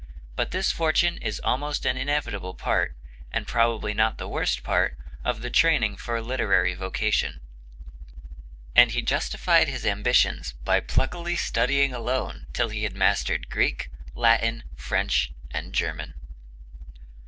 But this fortune is almost an inevitable part, and probably not the worst part, of the training for a literary vocation; and he justified his ambitions by pluckily studying alone till he had mastered Greek, Latin, French, and German.